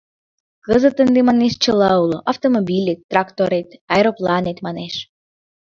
— Кызыт ынде, манеш, чыла уло: автомобилет, тракторет, аэропланет, манеш...